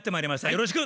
よろしく。